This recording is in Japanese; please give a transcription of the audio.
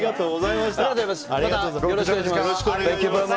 またよろしくお願いします。